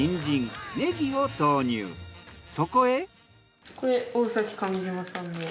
そこへ。